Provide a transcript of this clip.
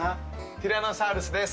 ティラノサウルスです。